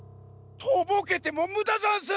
とぼけてもむだざんす！